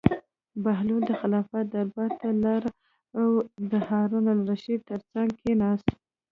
بهلول د خلافت دربار ته لاړ او د هارون الرشید تر څنګ کېناست.